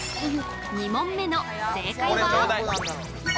２問目の正解は？